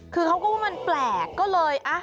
คือเขาก็ว่ามันแปลกก็เลย